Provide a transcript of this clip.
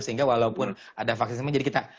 sehingga walaupun ada vaksin sama jadi kita